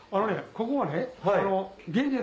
ここはね。